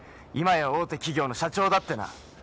今や大手企業の社長だってな。